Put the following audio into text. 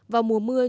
vào mùa mưa nhiều